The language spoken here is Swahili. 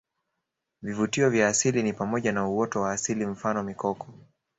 Vivutio vya asili ni pamoja na uoto wa asili mfano mikoko